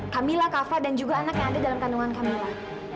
kamila kafa dan juga anak yang ada dalam kandungan kamila